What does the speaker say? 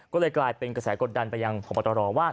ก็เลยกลายเป็นกระแสกดันไปยังของปรตรรว์ว่า